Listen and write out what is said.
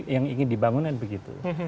yang ingin dibangun kan begitu